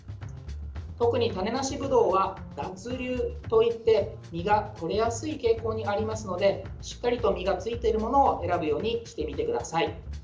特に種なしぶどうは脱粒といって実がとれやすい傾向にありますのでしっかりと実が付いているものを選ぶようにしてみてください。